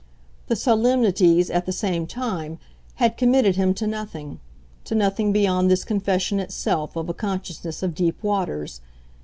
The solemnities, at the same time, had committed him to nothing to nothing beyond this confession itself of a consciousness of deep waters.